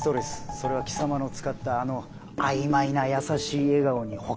それは貴様の使ったあの「曖昧な優しい笑顔」にほかならない。